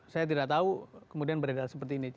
saya tidak tahu kemudian beredar seperti ini